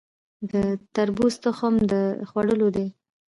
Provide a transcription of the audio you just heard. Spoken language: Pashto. د تربوز تخم د خوړلو دی؟